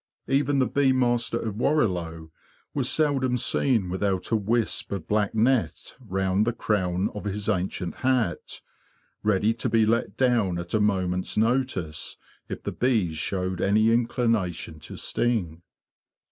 Even the Bee Master of Warrilow was seldom seen without a wisp of black net round the crown of his ancient hat, ready to be let down at a moment's notice if the bees showed any inclination to sting.